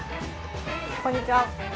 こんにちは。